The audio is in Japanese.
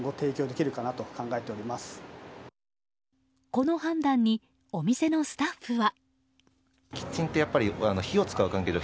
この判断にお店のスタッフは。